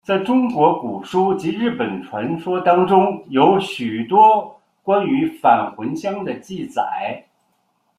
在中国古书及日本传说当中有许多关于返魂香的记载。